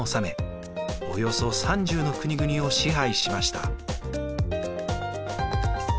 およそ３０の国々を支配しました。